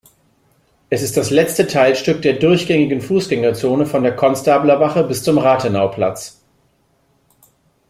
Es ist das letzte Teilstück der durchgängigen Fußgängerzone von der Konstablerwache bis zum Rathenauplatz.